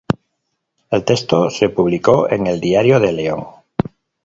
El texto se publicó en el "Diario de León".